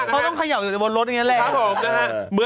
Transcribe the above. เค้าต้องเผาขยะอยู่ปกติบรถรถของรถแบบนี้แล้ว